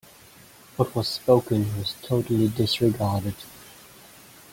What was spoken was totally disregarded.